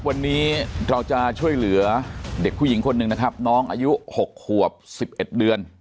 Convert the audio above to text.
วันนี้เราจะช่วยเหลือเด็กผู้หญิงคนหนึ่งนะครับน้องอายุ๖ขวบ๑๑เดือน